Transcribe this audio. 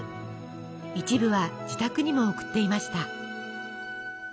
一部は自宅にも送っていました。